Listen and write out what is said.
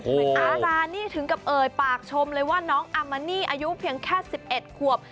อาจารย์นี่ถึงกับเอ่ยปากชมเลยว่าน้องอามานี่อายุเพียงแค่๑๑ขวบ